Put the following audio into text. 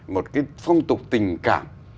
một cái phong tục tình cảm